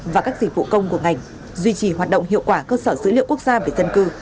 và các dịch vụ công của ngành duy trì hoạt động hiệu quả cơ sở dữ liệu quốc gia về dân cư